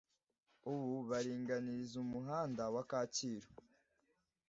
ubu baringaniza umuhanda wa kacyiru